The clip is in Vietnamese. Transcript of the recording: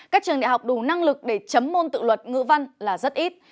các trường đại học đủ năng lực để chấm môn tự luật ngữ văn là rất ít